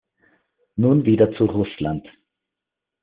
Nun wieder zu Russland.